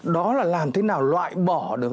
đó là làm thế nào loại bỏ được